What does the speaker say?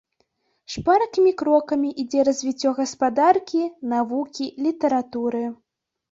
Шпаркімі крокамі ідзе развіццё гаспадаркі, навукі, літаратуры.